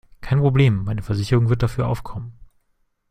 Kein Problem, meine Versicherung wird dafür aufkommen.